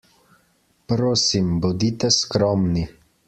Prosim, bodite skromni.